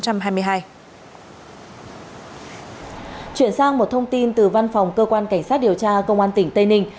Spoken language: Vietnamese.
chuyển sang một thông tin từ văn phòng cơ quan cảnh sát điều tra công an tỉnh tây ninh